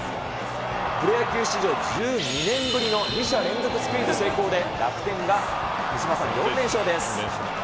プロ野球史上１２年ぶりの２者連続スクイズ成功で、楽天が手嶋さん、４連勝です。